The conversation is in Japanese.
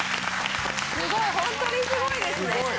すごいホントにすごいですね。